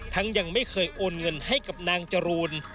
ยังไม่เคยโอนเงินให้กับนางจรูน